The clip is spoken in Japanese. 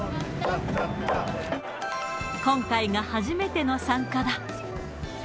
今回が初めての参加だ。